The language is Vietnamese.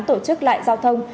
tổ chức lại giao thông